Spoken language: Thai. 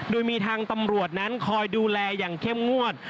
โดยมีทางตำรวจนั้นคอยดูแลอย่างเข้มงวด